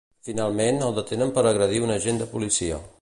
Finalment, el detenen per agredir un agent de policia.